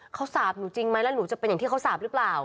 เขาสาบหนูจริงไหมแล้วหนูจะเป็นอย่างที่เขาสาปหรือเปล่า